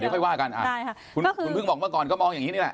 พึ่งบอกมากอนก็มองอย่างนี้